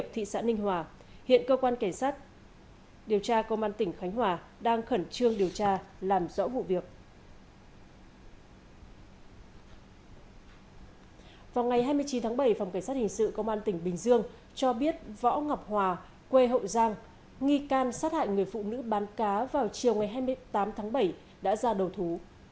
vào ngày hai mươi chín tháng bảy phòng cảnh sát hình sự công an tỉnh bình dương cho biết võ ngọc hòa quê hậu giang nghi can sát hại người phụ nữ bán cá vào chiều ngày hai mươi tám tháng bảy đã ra đầu thú